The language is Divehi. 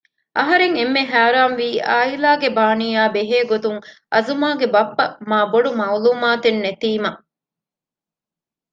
އަހަރެން އެންމެ ހައިރާންވީ އާއިލާގެ ބާނީއާ ބެހޭ ގޮތުން އަޒުމާ ބައްޕަގެ މާބޮޑު މައުލޫމާތެއް ނެތީމަ